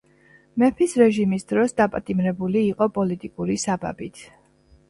მეფის რეჟიმის დროს დაპატიმრებული იყო პოლიტიკური საბაბით.